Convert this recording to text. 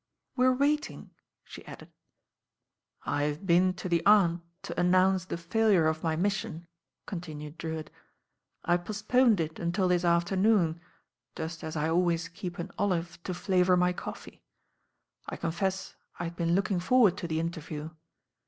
"We're waiting," she added. "I've been to the Aunt to announce the failure of sot THE BAIN OIRL >t my mission," continued Drewitt "I postponed it until this afternoon, just as I always keep an olive to flavour my coffee. I confess I had been looking forward to the interview.